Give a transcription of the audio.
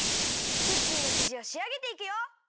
クッキーのきじをしあげていくよ！